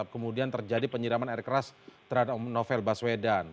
kemudian terjadi penyiraman air keras terhadap novel baswedan